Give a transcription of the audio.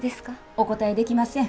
お答えできません。